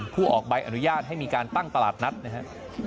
ออกใบอนุญาตให้มีการตั้งตลาดนัดนะครับ